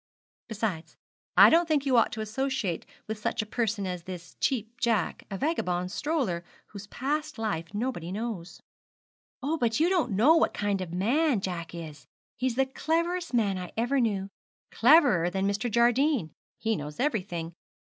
'Besides, I don't think you ought to associate with such a person as this Cheap Jack a vagabond stroller, whose past life nobody knows.' 'Oh, but you don't know what kind of man Jack is he's the cleverest man I ever knew cleverer than Mr. Jardine; he knows everything.